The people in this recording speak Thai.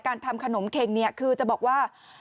ทำขนมเข็งเนี่ยคือจะบอกว่า